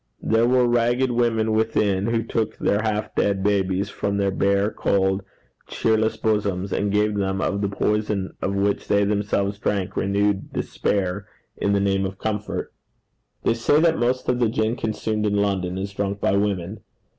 There were ragged women within who took their half dead babies from their bare, cold, cheerless bosoms, and gave them of the poison of which they themselves drank renewed despair in the name of comfort. They say that most of the gin consumed in London is drunk by women.